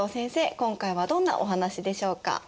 今回はどんなお話でしょうか？